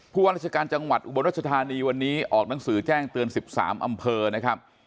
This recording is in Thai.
ว่าราชการจังหวัดอุบลรัชธานีวันนี้ออกหนังสือแจ้งเตือน๑๓อำเภอนะครับ